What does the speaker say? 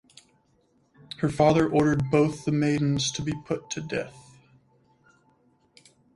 Her father ordered both the maidens to be put to death.